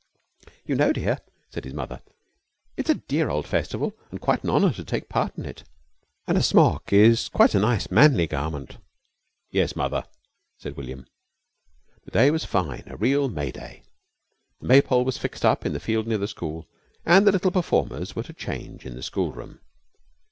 "You know, dear," said his mother, "it's a dear old festival, and quite an honour to take part in it, and a smock is quite a nice manly garment." "Yes, Mother," said William. The day was fine a real May Day. The Maypole was fixed up in the field near the school, and the little performers were to change in the schoolroom.